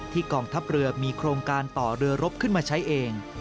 กองทัพเรือมีโครงการต่อเรือรบขึ้นมาใช้เอง